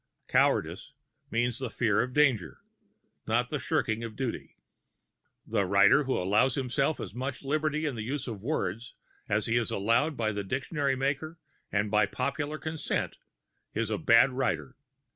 "Cowardice" means the fear of danger, not the shirking of duty. The writer who allows himself as much liberty in the use of words as he is allowed by the dictionary maker and by popular consent is a bad writer.